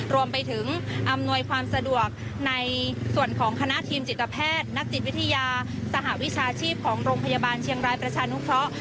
รวมไปถึงอำนวยความสะดวกในส่วนของคณะทีมจิตแพทย์นักจิตวิทยาสหวิชาชีพของโรงพยาบาลเชียงรายประชานุเคราะห์